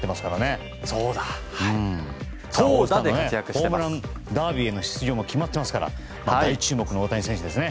ホームランダービーの出場も決まっていますから大注目の大谷選手ですね。